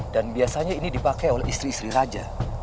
dan biasanya ini dipakai oleh istri istri raja